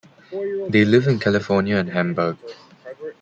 They live in California and Hamburg.